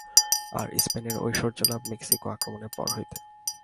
আর স্পেনের ঐশ্বর্যলাভ মেক্সিকো আক্রমণের পর হইতে।